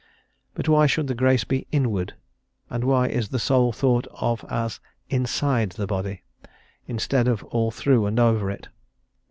But why should the grace be "inward," and why is the soul thought of as inside the body, instead of all through and over it?